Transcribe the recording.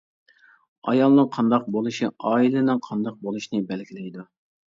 ئايالنىڭ قانداق بولۇشى ئائىلىنىڭ قانداق بولۇشىنى بەلگىلەيدۇ.